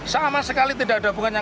sama sekali tidak ada hubungannya